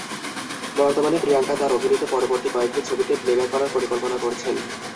বর্তমানে প্রিয়াঙ্কা তাঁর অভিনীত পরবর্তী কয়েকটি ছবিতে প্লেব্যাক করার পরিকল্পনা করছেন।